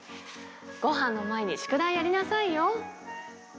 ごはんの前に宿題やりなさいよ。